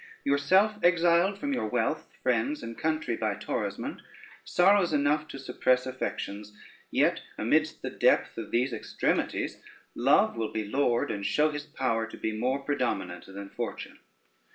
Yourself exiled from your wealth, friends, and country by Torismond, sorrows enough to suppress affections, yet amidst the depth of these extremities, love will be lord, and show his power to be more predominant than fortune.